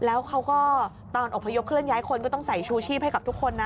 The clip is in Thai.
แล้วเขาก็ตอนอบพยพเคลื่อย้ายคนก็ต้องใส่ชูชีพให้กับทุกคนนะ